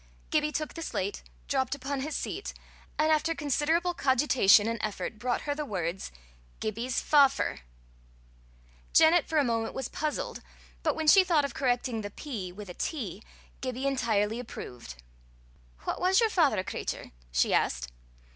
Gibbie took the slate, dropped upon his seat, and after considerable cogitation and effort, brought her the words, gibyse fapher. Janet for a moment was puzzled, but when she thought of correcting the p with a t, Gibbie entirely approved. "What was yer father, cratur?" she asked.